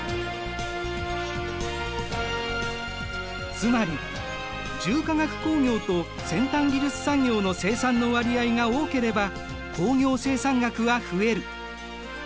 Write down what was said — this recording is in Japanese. つまり重化学工業と先端技術産業の生産の割合が多ければ工業生産額は増える。